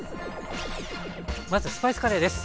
まずスパイスカレーです。